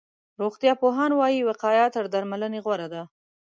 روغتيا پوهان وایي، وقایه تر درملنې غوره ده.